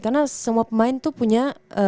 karena semua pemain tuh punya